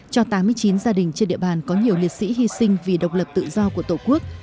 cho tám mươi chín gia đình trên địa bàn có nhiều liệt sĩ hy sinh vì độc lập tự do của tổ quốc